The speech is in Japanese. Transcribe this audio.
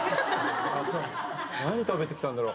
何食べてきたんだろう。